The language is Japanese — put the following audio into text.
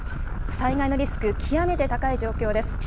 災害のリスク、極めて高い状況です。